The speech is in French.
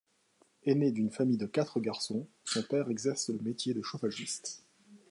Aîné d'une famille de quatre garçons, son père exerce le métier de chauffagiste.